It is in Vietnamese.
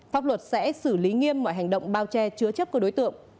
pháp luật sẽ xử lý nghiêm mọi hành động bao che chứa chấp của đối tượng